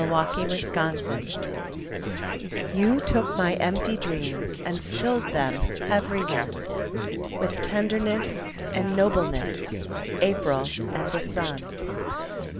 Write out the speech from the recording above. Houses of Dreams You took my empty dreams And filled them every one With tenderness and nobleness, April and the sun.